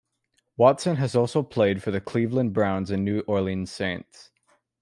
Watson has also played for the Cleveland Browns and New Orleans Saints.